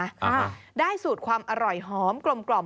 ฬาให้สูดความอร่อยหอมกลมกล่อม